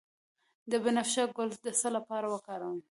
د بنفشه ګل د څه لپاره وکاروم؟